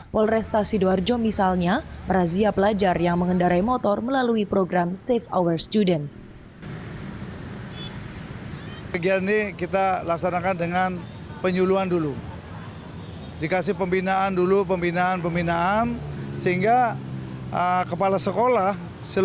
polrestasi sidoarjo misalnya merazia pelajar yang mengendarai motor melalui program save our students